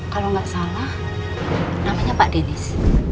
kalau nggak salah namanya pak denis